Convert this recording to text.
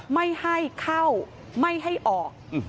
ไม่ให้เข้าไม่ให้ออก